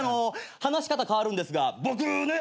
話し方変わるんですが僕ぅね！